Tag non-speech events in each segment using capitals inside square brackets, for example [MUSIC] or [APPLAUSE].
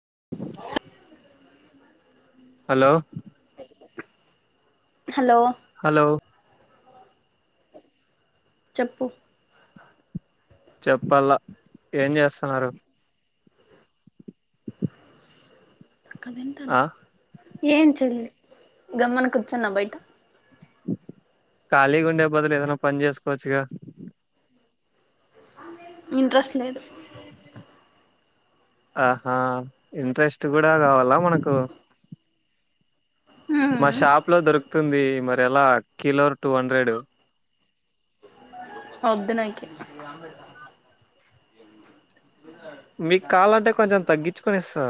స్ hello hello hello చెప్పు చెప్పాల ఏం చేస్తున్నారు కదండి అ ఏం చేయలే గమ్మన కూర్చున్న బయట ఖాళీ గా ఉండే బదులు ఏదైనా ఓ పని చేసుకోవచ్చుగా ఇంట్రస్ట్ లేదు ఆహా ఇంట్రెస్ట్ కూడా కావాలా మనకు మా షాప్ లో దొరుకుతుంది మరి ఎలా కిలో టూ హండ్రెడు వద్దు నాకి ఏంగాదు మీకు కావాలంటే కొంచెం తగ్గించుకొని ఇస్తా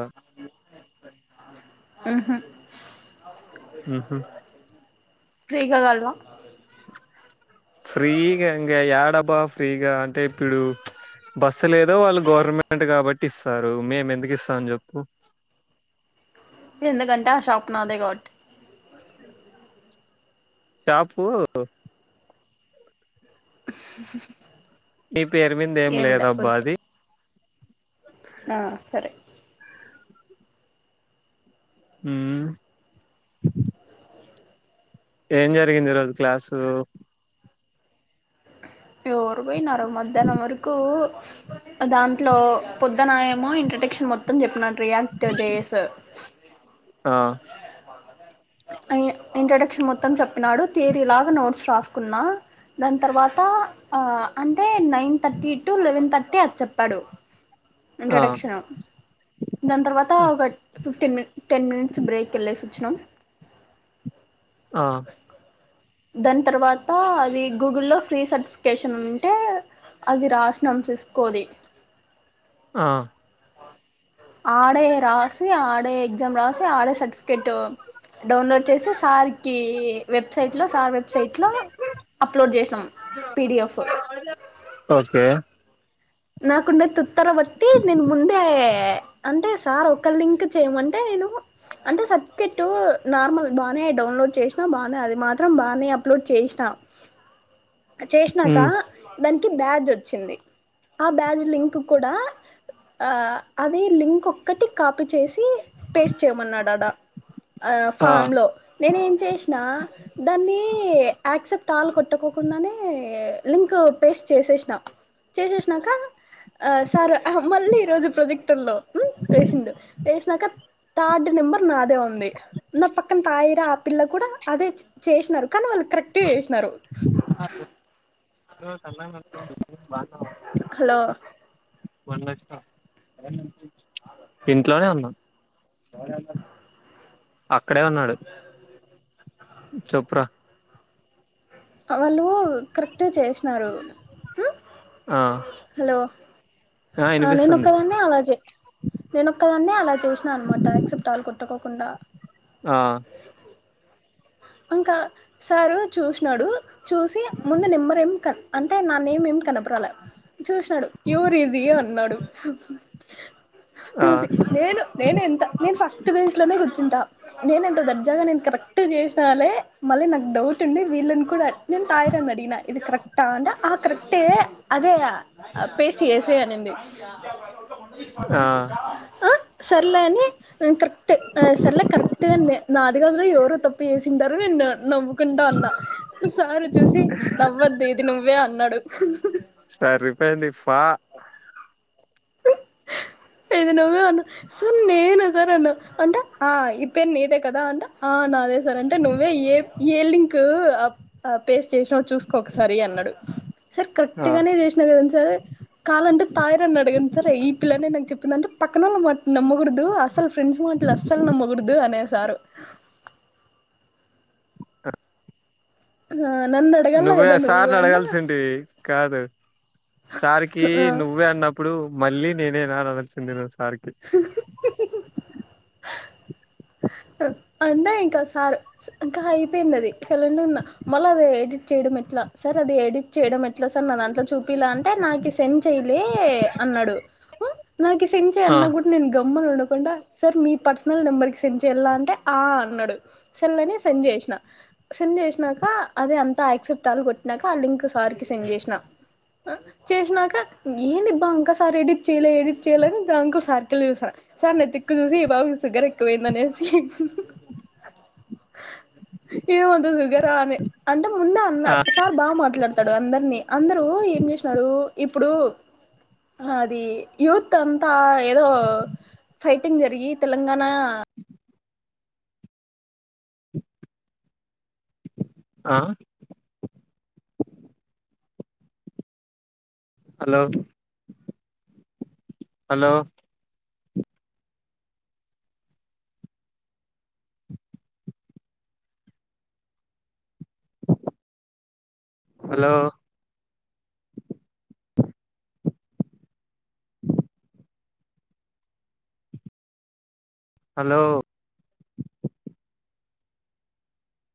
ఊహూ ఊహూ ఫ్రీగా కావాల్న ఫ్రీగా ఇంకా యాడబ్బా ఫ్రీగా అంటే ఇప్పుడు బస్సు లేదో వాళ్ళు గవర్నమెంట్ కాబట్టి ఇస్తారు మేము ఎందుకు ఇస్తాం చెప్పు ఎందుకంటే ఆ షాప్ నాదే కాబట్టి షాపు స్ స్ స్ స్ నీ పేరు మీద ఏం లేదబ్బా అది ఆ సరే మ్ ఏం జరిగింది ఈ రోజు క్లాసు ఎవరు పోయినర మధ్యాహ్నం వరకు దాంట్లో పొద్దున ఏమో ఇంట్రడక్షన్ మొత్తం చెప్పిన రియాక్ట్ జేస్ ఆ అయ్యే ఇంట్రొడక్షన్ మొత్తం చెప్పినాడు తీరి లాగ నోట్స్ రాసుకున్నా దాన్ తర్వాత ఆ అంటే nine thirty to eleven thirty అది చెప్పాడు ఆ ఇంట్రొడక్షన్ దాన్ తర్వాత ఒక fifteen minute ten minutes break వెళ్లేసివచ్చినాం ఆ దాని తర్వాత అది గూగుల్లో ఫ్రీ సర్టిఫికేషన్ ఉంటే అది రాసినం సిస్కోది ఆ ఆడే రాసి ఆడే ఎగ్జామ్ రాసి ఆడే సర్టిఫికేట్ డౌన్లోడ్ చేసి సార్కి వెబ్సైట్ సార్ వెబ్సైట్ లో అప్లోడ్ చేసినాం పిడిఎఫ్ [UNINTELLIGIBLE] ఓకే నాకుండే తత్తర బట్టి నేను ముందే అంటే సార్ ఒక లింక్ చేయమంటే నేను అంటే సర్టిఫికెట్ నార్మల్ బానే డౌన్లోడ్ చేసినా బానే అది మాత్రం బానే అప్లోడ్ చేసినా చేసినాక ఉమ్ దానికి బ్యాజ్ వచ్చింది ఆ బ్యాజ్ లింక్ కూడా ఆ అది లింక్ ఒక్కటి కాపీ చేసి పేస్ట్ చేయమన్నాడ ఆడా ఆ ఫామ్ లో నేనే ఏం చేసిన దాన్ని యాక్సెప్ట్ ఆల్ కొట్కోకుండానే లింక్ పేస్ట్ చేసేసినా చేసేసినాక అ సార్ అహ్ మళ్ళీ ఈరోజు ప్రొజెక్ట్ క్టర్ లో వేసిండు వేసినాక థర్డ్ నెంబర్ నాదే ఉంది నా పక్కన తయిరా ఆ పిల్ల కూడా అదే చేసినరు కాని వాళ్ళు కరెక్టే చేసినారు బ్రో సన్నగా నడుచు హలో బాగున్నావ మొన్న వచ్చిన ఇంట్లోనే ఉన్నాం అక్కడే ఉన్నాడు చొప్పురా ఆళ్ళు కరెక్ట్ గా చేసినారు ఆ ఆ నేను ఒక్కదాన్నే అలాగే జె నేనొక్కదాన్నే అలా చేసినా అనమాట యాక్సెప్ట్ ఆల్ కొట్టకోకుండా ఆ ఇంకా సారు చూసినాడు చూసి ముందు నెంబరేం కన్ అంటే నా నేమ్ ఏమి కనపరల చూసినాడు ఎవరిది అన్నాడు ఆ చూసి నేను నేను ఎంత నేను ఫస్ట్ బెంచ్లోనే కూర్చుంట నేను ఎంత దర్జాగా నేను కరెక్ట్ గ చేసిన స్తాలే మళ్ళీ నాకు డౌట్ ఉండి వీళ్ళని కూడా తయిరని అడిగినా ఇది కరెక్ట్ తాండ్డా ఆ కరెక్ట్ ఏ అదే పేస్ట్ చేసే అనింది ఆ అ సర్లే అని ఊ కరక్ట్ ఆ సర్లే కరెక్ట్ అని మే నాది గాదుర ఎవరో తప్పు పేసింటారు నిన్న నవ్వుకుంట అన్న సారొచ్చేసి నవ్వద్దు ఇది నువ్వే అన్నాడు సరిపోయింది ఫా ఇది నువ్వే అను సర్ నేనా సార్ అన్న అంట ఆ ఈ పేర్ నీదే కదా అంట ఆ నాదే సార్ అంటే నువ్వే ఏప్ ఏ లింకు పేస్ట్ చేసినావో చూసుకో ఒకసారి అన్నాడు సార్ ఆ కరెక్ట్ గానే జేసినా కదండి సార్ కాలంటే తాయారని అడగండి సార్ ఎయిట్ పిల్లనే నాకు చెప్పిందంటే పక్కనోళ్ళ మాట నమ్మకూడదు అసల్ ఫ్రెండ్స్ మాటలు అసలు నమ్మకూడదు అనే సారు నన్ను అడగల నువ్వే కదా నువ్వు సార్ని అంటే అడగాల్సింటివి కాదు సార్కి ఆ నువ్వే అన్నప్పుడు మళ్ళీ నేనేనా అని అనాల్సింది నువ్ సార్కి అంటే ఇంకా సార్ ఇంకా అయిపోయిందది సైలెంటు గున్నా మళ్ళ అది ఎడిట్ చేయడం ఎట్లా సార్ అది ఎడిట్ చేయడం ఎట్లా సార్ నా దాంట్లో చూపిలా అంటే నాకిస్ టెన్ చేయలే అన్నాడు నాకి సెండ్ చేయ్ ఆ అన్నా కూడా నేను గమ్మన ఉండకుండా సార్ మీ పర్సనల్ నెంబర్కి సెండ్ చేయాల అంటే ఆ అన్నాడు సర్లే అని సెండ్ చేసిన సెండ్ జేసినాక అదే అంతా యాక్సెప్ట్ ఆలు కొట్టినాక ఆ లింక్ సార్కి సెండ్ జేసినా ఆ చేసినాక ఏందిబ్బా ఇంకా సార్ ఎడిట్ చేయలే ఎడిట్ చేయ్యలే అని జాన్కు సార్కెళ్ళి జూస్తాన్న సార్ నాథిక్కు జూసి ఈ పాపకి ఫిగర్ ఎక్కువైందనేసి ఏమంత షూగరా అని అంటే ముందు అన్నా ఆ సార్ బాగా మాట్లాడు తాడు అందర్నీ అందరూ ఏం చేసినారు ఇప్పుడు హా అది యూత్ అంతా ఏదో ఫైటింగ్ జరిగి తెలంగాణ ఆ హలో హలో హలో హలో